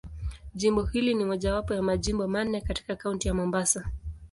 Jimbo hili ni mojawapo ya Majimbo manne katika Kaunti ya Mombasa.